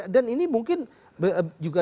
dan ini mungkin juga disebabkan